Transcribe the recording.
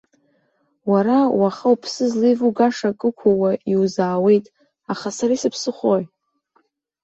Уара, уаха уԥсы злеивугаша акы ықәууаа иузаауеит, аха сара исыԥсыхәои?